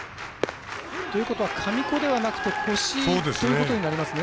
ということは神子ではなくて越井ということになりますね。